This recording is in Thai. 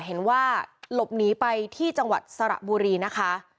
เห็นว่าหลบหนีไปที่จังหวัดสระบุรีนะคะ